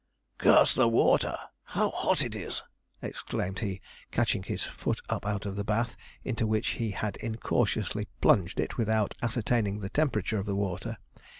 'Curse the water! how hot it is!' exclaimed he, catching his foot up out of the bath, into which he had incautiously plunged it without ascertaining the temperature of the water.